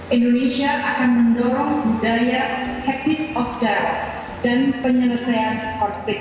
indonesia akan memperkuat ekosistem perdamaian dan stabilitas global